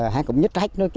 hắn cũng nhất trách